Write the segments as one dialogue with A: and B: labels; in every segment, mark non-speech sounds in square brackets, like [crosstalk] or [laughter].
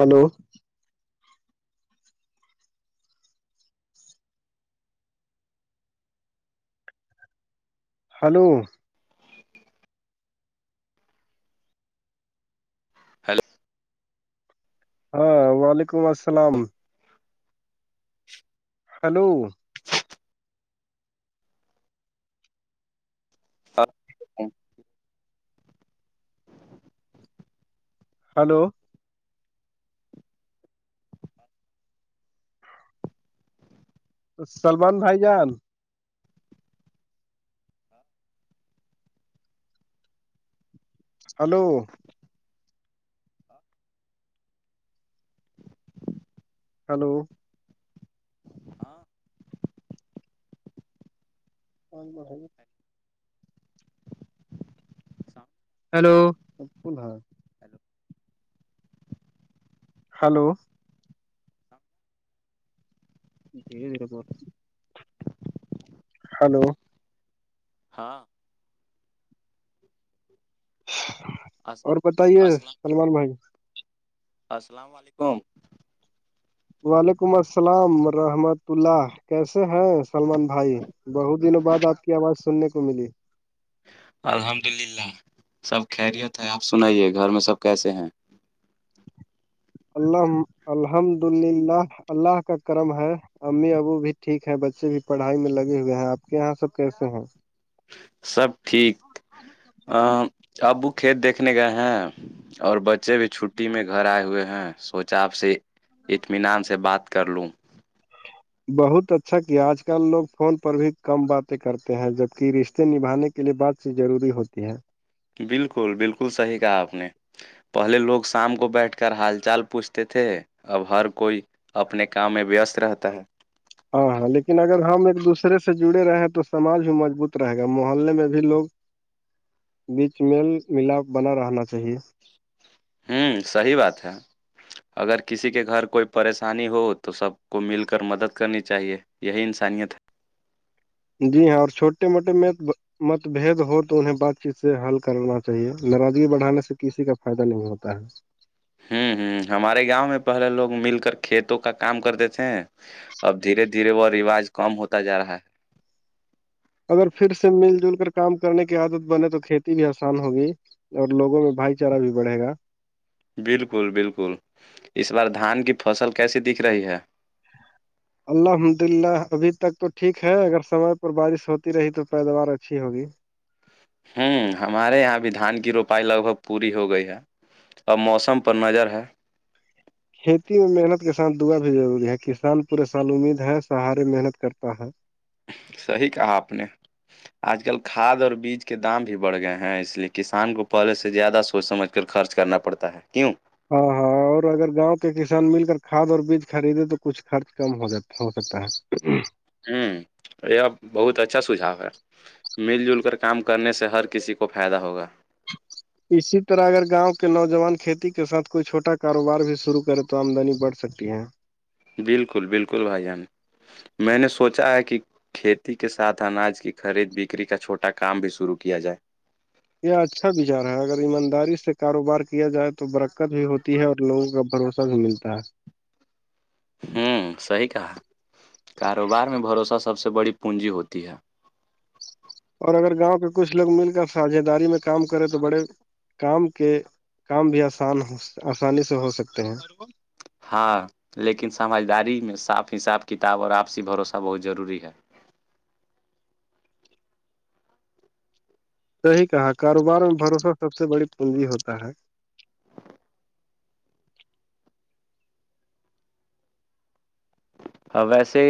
A: hello hello
B: [inaudible] hello
A: ہاں وعلیکم السلام ہلو
B: تو
A: ہلو تو سلمان بھائی جان ہلو ہلو اور ب ہیلو ہلو ج دیر ب رہ ہلو
B: ہاں
A: اور پت ہی ہے سلمان بھائی
B: [unintelligible]
A: وعلیکم السلام رحمت اللہ کیسے ہیں سلمان بھائی بہت دنوں بعد آپ کی آواز سننے کو ملی
B: الحمد للہ سب خیریت ہے آپ سنائیے گھر میں سب کیسے ہیں
A: اللہ الحمد للہ اللہ کا کرم ہے امی ابو بھی ٹھیک ہے بچے بھی پڑھائی میں لگے ہوئے ہیں آپ کے یہاں سب کیسے ہیں
B: سب ٹھیک ابو کھیت دیکھنے گئے ہیں اور بچ بچے بھی چھٹی میں گھر آئے ہوئے ہیں سوچا آپ سے اطمینان سے بات کر لوں
A: بہت اچھا کیا آج کل لوگ فون پر بھی کم باتیں کرتے ہیں جبک رشتے نبھانے کے کے لیے بات چی ضروری ہوتی ہے
B: بالکل بالکل صحیح کہا آپ نے پہلے لوگ شام کو بیٹھ کر حال چال پوچھتے تھے اب ہر کوئی اپنے کام میں وست رہتا ہے
A: ہاں ہاں لیکن اگر ہم ایک دوسرے سے جڑے رہے ہیں تو سماج بھی مضبوط رہے گا محلے میں بھی لوگ بیچ م ملاپ بنا رہنا چاہیے
B: ہوں صحیح بات ہے اگر کسی کے گھر کوئی پریشانی ہو تو سب کو مل کر مدد کرنی چاہیے یہی انسانیت ہے
A: جی ہاں اور چھوٹے موٹے میں مت بد ہو تو انہیں بات چیت سے حل کرنا چاہیے ناراضگی بڑھانے سے کسی کا فائدہ نہیں ہوتا ہے
B: ہوں ہوں ہمارے گاؤں میں پہلے لوگ مل کر کھیتوں کا کام کرتے تھے اب دھیرے دھیرے وہ رواج کم ہوتا جا رہا ہے
A: اگر پھر سے مل جل کر کام کرنے کی عادت بنے تو کھیتی بھی آسان ہوگی اور لوگوں میں بھائی چارہ بھی بڑھے گا
B: بالکل بالکل اس بار دھان کی فصل کیسی دکھ رہی ہے
A: ہ الحمد للہ ابھی تک تو ٹھیک ہے اگر سمے پر بارش ہوتی رہی تو پیداوار اچھی ہوگی
B: ہوں ہمارے یہاں بھی دھان کی روپائی لگ بھگ پوری ہو گئی ہے اب موسم پر نظر ہے
A: کھیتی میں محنت کے ساتھ دعا بھی ضروری ہے کسان پورے سال امید ہے سہارے محنت کرتا ہے
B: صحیح کہا آپ نے آج کل کھاد اور بیج کے دام بھی بڑھ گئے ہیں اس لیے کسان کو پہے سے زیادہ سوچ سمجھ خرچ کرنا پڑتا ہے کیوں
A: ہاں ہاں اور اگر گاؤں کے کسان مل کر کھاد اور بیج خریدے تو کچھ خرچ کم ہو جات ہو سکتا ہے
B: ہوں یہ بہت اچھا سھؤ ہے مل جل کر کام کرنے سے ہر کسی کو فائدہ ہوگا
A: اسی طرح اگر گاؤں کے نوجوان کھیتی کے ساتھ کوئی چھوٹا کاروبار بھی شروع کرے تو آمدنی بڑھ سکتی ہے
B: بالکل بالکل بھائی جان میں نے سوچا ہے کہ کھیتی کے ساتھ اناج کی خرید بکری کا چھوٹا کام بھی شرو کیا جائے
A: یہ اچھا وچار ہے اگر ایمانداری سے کاروبار کیا جائے تو برقت بھی ہوتی ہے اور لوگوں کا بھروسہ س ملتا ہے
B: ہوں صحی کہا کاروبار میں بھروسہ سب سے بڑی پونجی ہوتی ہے
A: اور اگر گاؤں کے کچھ لوگ مل کر ساجھے داری میں کام کرے تو بڑے کام کے کام بھی آسان آسانی سے ہو سکتے ہیں
B: ہاں لیکن سمجھداری میں صاف حساب کتاب اور آپسی بھروسہ بہت ضروری ہے
A: صحیح کہا کاروبار میں بھروسہ سب سے بڑی پجی ہوتا ہے
B: ویسے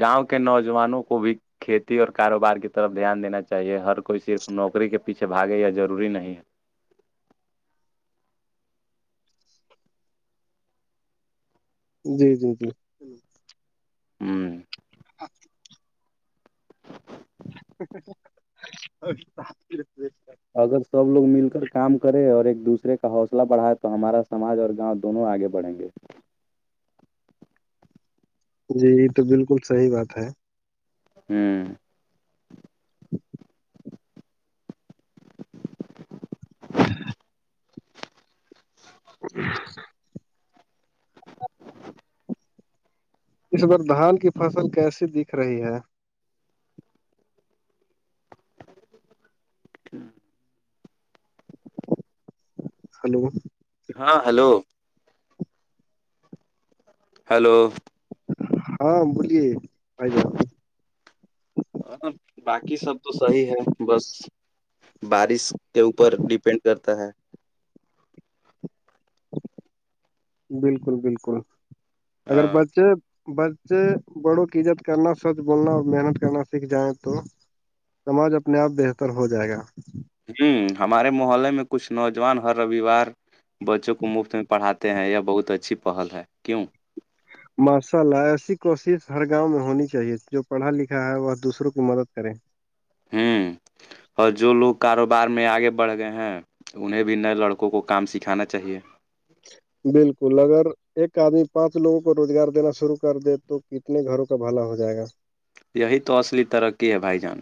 B: گاؤں کے نوجوانوں کو بھی کھیتی اور کاروبار کی طرف دھیان دینا چاہیے ہر کوئی صرف نوکری کے پیھےھاگے ضروری نہیں ہے
A: جی جی جی
B: ہوں
A: ا [inaudible] ا
B: اگر سب لوگ مل کر کام کرے اور ایک دوسرے کا حوصلہ بڑھائے تو ہمارا ساج اور گاؤں دونوں آگے بڑھیں گے
A: جی یہ تو بالکل صحیح بات ہے
B: ہوں
A: [inaudible] ہاں ہاں اس بار دھان کی فصل کیسی دکھ رہی ہے ہلو
B: ہاں ہلو ہیلو
A: ہاں بولیے آائی جاؤ
B: ہاں باقی سب تو صحی ہے بس بارش کے اوپر ڈیپینڈ کرتا ہے
A: بالکل بالکل اگر
B: ہاں
A: بچے بچے بڑوں کی عزت کرنا سچ بولنا محنت کرنا سیکھ جائیں تو سماج اپنے آپ بہتر ہو جائے گا
B: ہوں ہمارے محلے میں کچھ نوجوان ہر رووار بچوں کو مفت میں پڑاتے ہیں یہ بہت اچھی پہل ہے کیوں
A: ماشاء اللہ ایسی کوشش ہر گاؤں میں ہونی چاہیے جو پڑھا لکھا ہے وہ دوسروں کی مدد کریں
B: ہوں
A: [inaudible]
B: اور جو لوگ کاروبار میں آگے بڑھ گئے ہیں انہیں بھی نئے لڑکوں کو کام سکھانا چاہیے
A: بالکل اگر ایک آدمی پانچ لوگوں کو روزگار دینا شروع کر دے تو کتنے گھروں کا بھلا ہو جائے گا
B: یہی تو اصلی ترقی ہے بھائی جان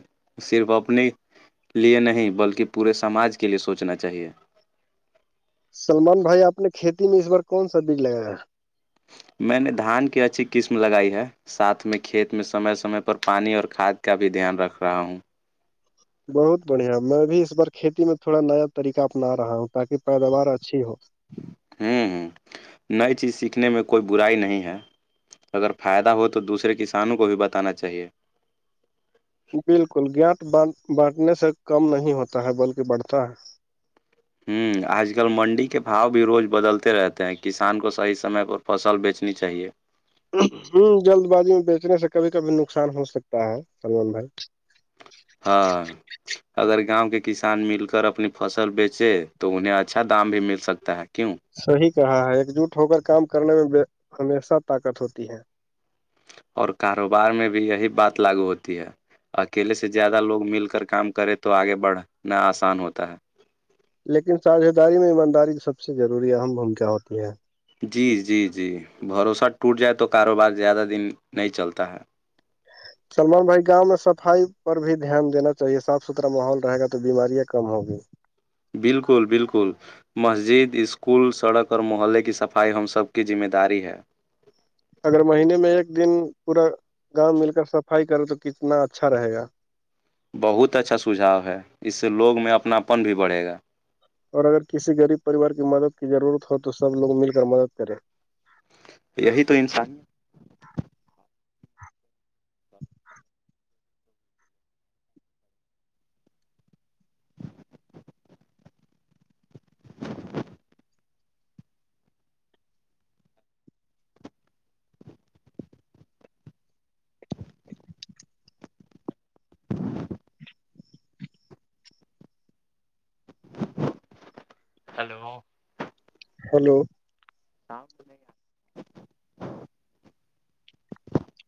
B: صرف اپنی لیے نہیں بلکہ پورے سماج کے لیے سوچنا چاہیے
A: سلمان بھائی آپ نے کھیتی میں اس بار کون سا بیج لگایا ہے
B: میں نے دھان کی اچھی قسم لگائی ہے ساتھ میں کھیت میں سمے سمے پر پانی اور کھاد کا بھی دھیان رکھ رہا ہوں
A: بہت بڑھیا میں بھی اس بار کھیتی میں تھوڑا نیا طریقہ اپنا رہا ہوں تاکہ پیداوار اچھی ہو
B: ہوں ہوں نئی چیز سیکھنے میں کوئی برائی نہیں ہے اگر فائدہ ہو تو دوسرے کسانوں کو بھی بتانا چاہیے
A: بالکل گیٹ بانٹنے سے کم نہیں ہوتا ہے بلکہ بڑھتا ہے
B: ہوں آج کل منڈی کے بھاؤ بھی روز بدلتے رہتے ہیں کسان کو صحیح سمے پر فصل بیچنی چاہیے
A: ہ جلد بازی میں بیچنے سے کبھی کبھی نقصان ہو سکتا ہے سان بھر
B: ہاں اگر گاؤں کے کسان مل کر اپنی فصل بیچے تو انہیں اچھا دام بھی مل سکتا ہے کیوں
A: صحیح کہا ہے ایک جٹ ہو کر کام کرنے میں ہمیشہ طاقت ہوتی ہے
B: اور کاروبار میں بھی یہی بات لاگو ہوتی ہے اکیلے سے زیادہ لوگ مل کر کام کرے تو آگے بڑھنا آسان ہوتا ہے
A: لیکن ساجھےداری میں ایمانداری کی سب سے ضروری اہم بھومکا ہوتی ہے
B: جی جی جی بھروسہ ٹوٹ جائے تو کاروبار زیادہ دن نہیں چلتا ہے
A: سلمان بھائی گاؤں میں صفائی پر بھی دھیان دینا چاہیے صاف ستھرا ماحول رہے گا تو بیماریاں کم ہوگی
B: بالکل بالکل مسجد اسکول سڑک اور محلے کی صفائی ہم سب کی ذمہ داری ہے
A: اگر مہینے میں ایک دن پورا گاؤں مل کر صفائی کرے تو کتنا اچھا رہے گا
B: بہت اچھا سجھاؤ ہے اس سے لوگ میں اپناپن بھی بڑھے گا
A: اور اگر کسی غریب پریوار کی مدد کی ضرورت ہو تو سب لوگ مل کر مدد کرے
B: یہی تو انسانی ہلو
A: ہیلو
B: ہاں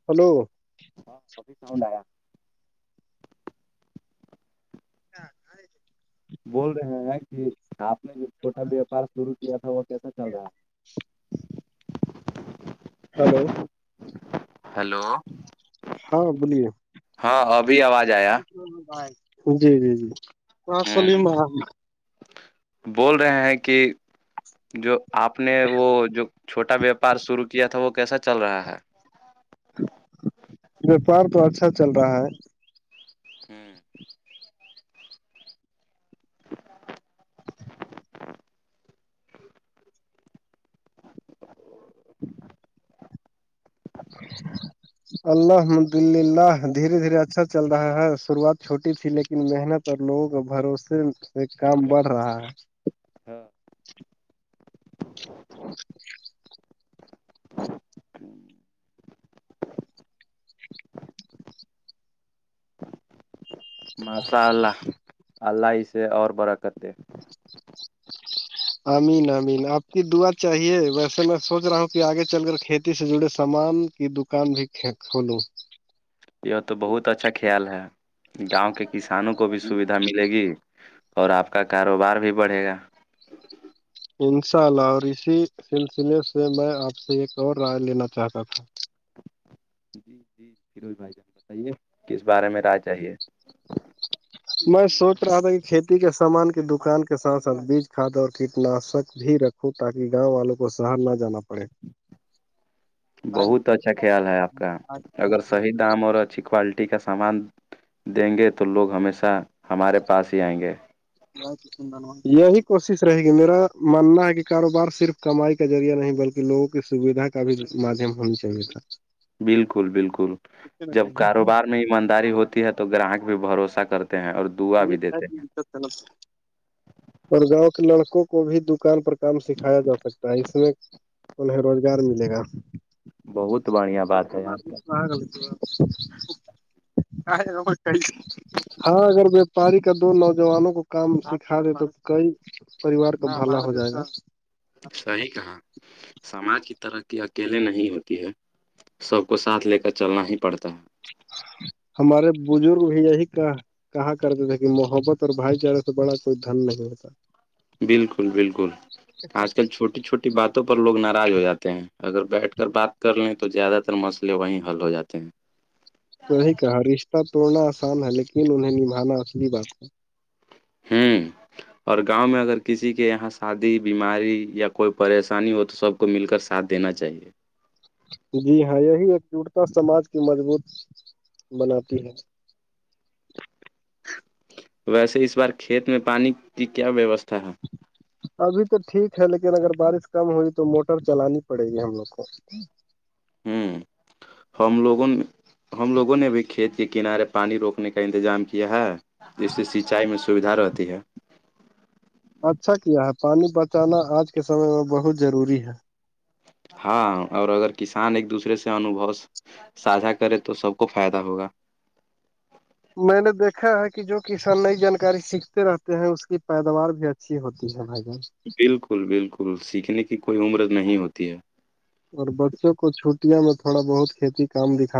A: ہلو
B: ہاں وہاں ساؤڈ آیا
A: [unintelligible]
B: بول رہے ہیں ہیں کہ آپ نے جو چھوٹا ویاپار شرو کیا تھا وہ کیسا چل رہا ہے
A: ہلو
B: ہلو
A: ہاں بولیے
B: ہاں ابھی آواز آیا
A: جی جی جی
B: ہ
A: سلیم احمد
B: بول رہے ہیں کہ جو آپ نے وہ جو چھوٹا ویاپار شرو کیا تھا وہ کیسا چل رہا ہے
A: وپار تو اچھا چل رہا ہے
B: ہمم [unintelligible] [inaudible]
A: [unintelligible] الحمد للہ دھیرے دھیرے اچھا چل رہا ہے شروعات چھوٹی تھی لیکن محنت لوگوں کے بھروسے سے کام بڑھ رہا ہے
B: ہاں ماشاء اللہ اللہ اسے اور برکت
A: امین امین آپ کی دعات چاہیے ویسے میں سوچ رہا ہوں کہ آگے چل کر کھیتی سے جڑے سامان یہ دکان بھی کھولو
B: یہ تو بہت اچھا خیال ہے گاؤں کے کسانوں کو بھی سویدھا ملے گی اور آپ کا کاروبار بھی بڑھے گا
A: انشاء اللہ اور اسی سلسلے سے میں آپ سے ایک اور رائے لینا چاہتا تھا
B: جی جی فیروج بھائی جان بتائیے کس بارے میں رائے چاہیے
A: میں سوچ رہا تھا کہ کھیتی کے سامان کی دکان کے ساتھ ساتھ بیج کھاد اور کیٹناشک بھی رکھ ہو تاکہ گاؤں والوں کو شہر نہ جانا پڑے
B: بہت اچھا خیال ہے آپ کا اگر صحیح دام اور اچھی کوالٹی کا سامان دیں گے تو لوگ ہمیشہ ہمارے پاس ہی آئیں گے
A: ہاں یہی کوشش رہے گی میرا ماننا ہے کہ کاروبار صرف کمائی کا ذریعہ نہیں بلکہ لوگوں کی سویدھا کا بھی مادھیم ہونا چاہیے تھا
B: بالکل بالکل جب کاروبار میں ایمانداری ہوتی ہے تو گراہک بھی بھروسہ کرتے ہیں اور دعا بھی دیتے ہیں
A: اور گاؤں کے لڑکوں کو بھی دکان پر کم سکھایا جا سکتا ہے اس میں انہیں روزگار ملے گا
B: بہت بڑھیا
A: سب ت
B: بات ہے یار
A: مارک میں گلتی ہاں اگر وپاری کا دو نوجوانوں کو کام سکھا دے تو کئی پریوار کا بھال ہو جائے گا
B: صحیح کہا سماج کی ترقی اکیلے نہیں ہوتی ہے سب کو ساتھ لے کر چلنا ہی پڑتا ہے
A: ہمارے بزرگ بھی یہی کہاں کہا کرتے تھے کہ محبت اور بھائی چارے سے بڑا کوئی دھن نہیں ہوتا
B: بالکل بالکل آج کل چھوٹی چھوٹی باتوں پر لوگ ناراض ہو جاتے ہیں اگر بیٹھ کر بات کر لیں تو زیادہ تر مسئلے وہیں حل ہو جاتے ہیں
A: وہی کہا رشتہ توڑنا آسان ہے لیکن انہیں نبھانا اصلی بات ہے
B: [inaudible] اور گاؤں میں اگر کسی کے یہاں شادی بیماری یا کوئی پریشانی ہو تو سب کو مل کر ساتھ دینا چاہیے
A: جی ہاں یہی ایکجٹتا سماج کی مضبوط بناتی ہے
B: ویسے اس بار کھیت میں پانی کی کیا ویوستھا ہے
A: [inaudible] ابھی تو ٹھیک ہے لیکن اگر بارش کم ہوئی تو موٹر چلانی پڑے گی ہم لوگ کو
B: ہوں ہم لوگوں نے ہم لوگوں نے بھی کھیت کے کنارے پانی روکنے کا انتظام کیا ہے سے سینچائی میں سویدھا رہتی ہے
A: اچھا کیا ہے پانی بچانا آج کے سمے میں بہت ضروری ہے
B: ہاں اور اگر کسان ایک دوسرے سے انوھو ساھا کرے تو سب کو فائدہ ہوگا
A: میں نے دیکھا ہے کہ جو کسان نئی جانکاری سیکھتے رہتے ہیں اس کی پیداوار بھی اچھی ہوتی ہے بھائی جان
B: بالکل بالکل سیکھنے کی کوئی عمرد نہیں ہوتی ہے
A: اور بچوں کو چھٹیاں میں تھوڑا بہت کھیتی کام دکھا